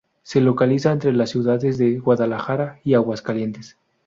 Se localiza entre las ciudades de Guadalajara y Aguascalientes.